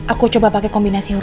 aku coba pake kombinasi yang lain